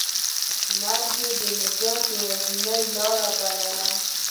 مرګ یې د نجات یوازینۍ لاره بولي.